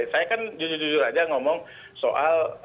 saya kan jujur jujur aja ngomong soal